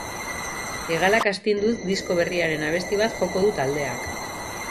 Hegalak astinduz disko berriaren abesti bat joko du taldeak.